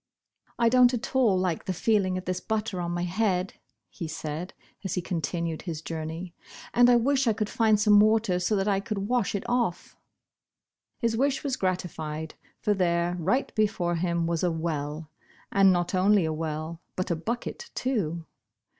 'T don't at all like the feeling of this butter on my head," he said, as he continued his journey, " and I wish I could find some water, so that I could wash it off." His wish was gratified, for there, right before him, was a well. And not only a well, but a bucket, too.